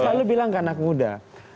selalu bilang ke anak muda